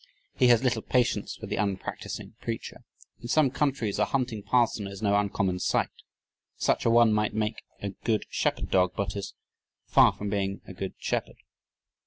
He has little patience for the unpracticing preacher. "In some countries a hunting parson is no uncommon sight. Such a one might make a good shepherd dog but is far from being a good shepherd."